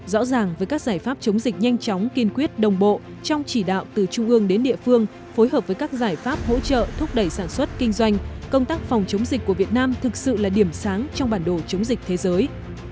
rõ ràng với các giải pháp chống dịch nhanh chóng kiên quyết đồng bộ trong chỉ đạo từ trung ương đến địa phương phối hợp với các giải pháp hỗ trợ thúc đẩy sản xuất kinh doanh công tác phòng chống dịch của việt nam thực sự là điểm sáng trong bản đồ chống dịch thế giới